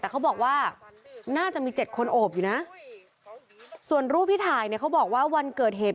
แต่เขาบอกว่าน่าจะมีเจ็ดคนโอบอยู่นะส่วนรูปที่ถ่ายเนี่ยเขาบอกว่าวันเกิดเหตุ